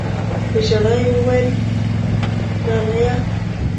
په ژړا يې وويل نانىه.